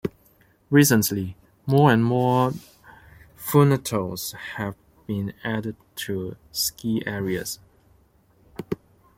Recently, more and more funitels have been added to ski areas.